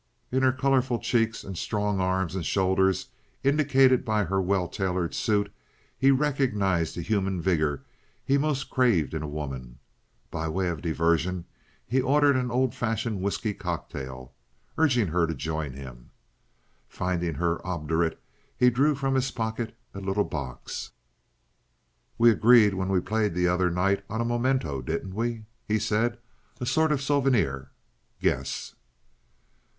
In her colorful cheeks and strong arms and shoulders, indicated by her well tailored suit, he recognized the human vigor he most craved in a woman. By way of diversion he ordered an old fashioned whisky cocktail, urging her to join him. Finding her obdurate, he drew from his pocket a little box. "We agreed when we played the other night on a memento, didn't we?" he said. "A sort of souvenir? Guess?"